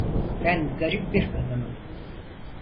Ben garip bir kadınım…